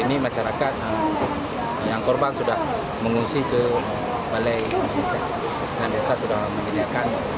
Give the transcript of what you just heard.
ini masyarakat yang korban sudah mengusir ke balai desa dan desa sudah memilihkan